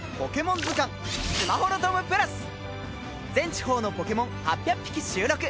全地方のポケモン８００匹収録。